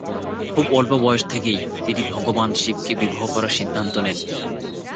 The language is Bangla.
খুব অল্প বয়স থেকেই, তিনি ভগবান শিবকে বিবাহ করার সিদ্ধান্ত নেন।